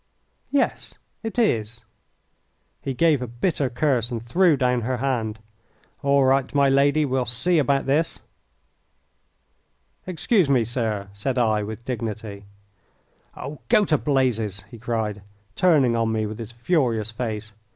"Yes, it is." He gave a bitter curse and threw down her hand. "All right, my lady, we'll see about this." "Excuse me, sir!" said I, with dignity. "Oh, go to blazes!" he cried, turning on me with his furious face.